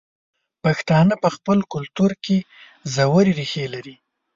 پښتانه په خپل کلتور کې ژورې ریښې لري.